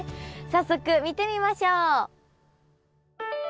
早速見てみましょう。